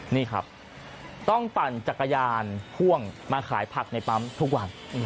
นี่ครับต้องปั่นจักรยานพ่วงมาขายผักในปั๊มทุกวัน